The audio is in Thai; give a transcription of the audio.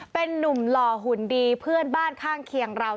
เป็นนุ่มหล่อหุ่นดีเพื่อนบ้านข้างเคียงเรา